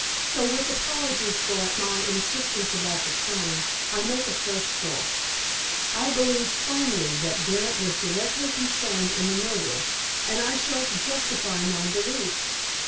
So, with apologies for my insistence about the train, I make a fresh start. I believe firmly that Grant was directly concerned in the murder. And I shall justify my belief.